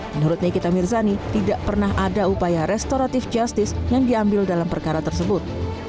menurut nikita mirzani tidak pernah ada upaya restoratif justice yang diambil dalam perkara tersebut